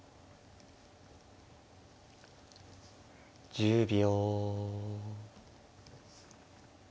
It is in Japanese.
１０秒。